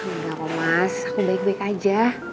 enggak kok mas aku baik baik aja